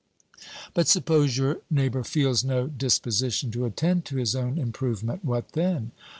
"But suppose your neighbor feels no disposition to attend to his own improvement what then?"